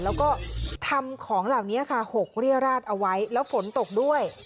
แล้วก็ทำของเหล่านี้ค่ะหกเรียราชเอาไว้แล้วฝนตกด้วย